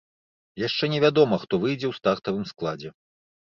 Яшчэ не вядома, хто выйдзе ў стартавым складзе.